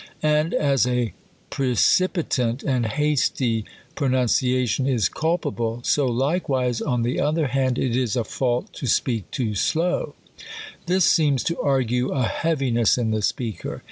And as a precipitant and hasty pronunciation is cul pable, so likewise on the other hand, it is a fault to speak too slow\ This seems to argue a heaviness in the speaker.